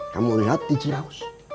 kamu lihat di jiraus